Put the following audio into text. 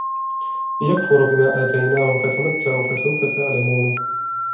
ليكفروا بما آتيناهم فتمتعوا فسوف تعلمون